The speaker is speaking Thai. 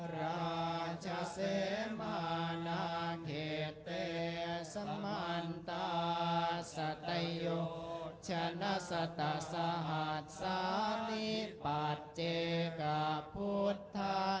ราชเสมอนาเขตติสมันตาสัตยุชนะสัตตาสหัสสานิปัจเจกพุทธา